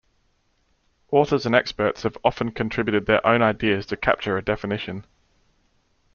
Authors and experts have often contributed their own ideas to capture a definition.